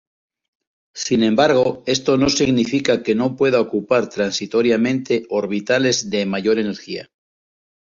Sin embargo esto no significa que no puedan ocupar transitoriamente orbitales de mayor energía.